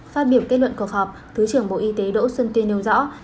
phát biểu kết luận cuộc họp thứ trưởng bộ y tế đỗ xuân tuyên nêu rõ